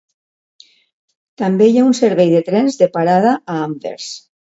També hi ha un servei de trens de parada a Anvers.